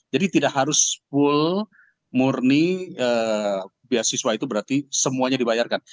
jadi tidak harus full murni beasiswa itu berarti semuanya keterbatasan